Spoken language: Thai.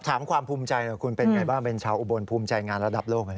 ถามความภูมิใจคุณเป็นไงบ้างเป็นชาวอุบลภูมิใจงานระดับโลก